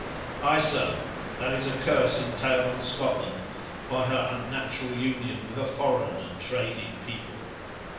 Ay, sir, that is a curse, entailed on Scotland by her unnatural union with a foreign and trading people.